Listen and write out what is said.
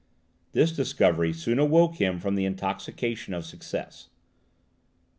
This discovery soon awoke him from the intoxication of success.